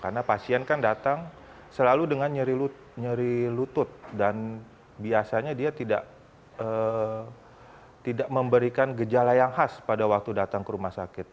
karena pasien kan datang selalu dengan nyeri lutut dan biasanya dia tidak memberikan gejala yang khas pada waktu datang ke rumah sakit